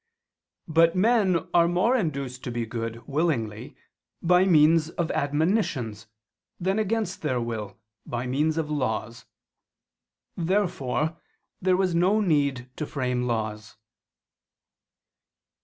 But men are more to be induced to be good willingly by means of admonitions, than against their will, by means of laws. Therefore there was no need to frame laws.